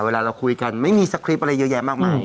เวลาเราคุยกันไม่มีสคริปต์อะไรเยอะแยะมากมาย